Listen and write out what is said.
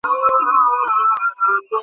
মঙ্গলবারে জরুরী কাগজে স্বাক্ষর দেয়া উচিত না।